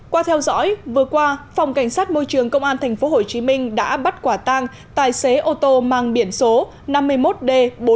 qua theo dõi vừa qua phòng cảnh sát môi trường công an tp hcm đã bắt quả tang tài xế ô tô mang biển số năm mươi một d bốn mươi một nghìn sáu trăm chín mươi năm